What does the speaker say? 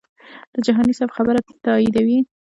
د جهاني صاحب خبرې تاییدوي.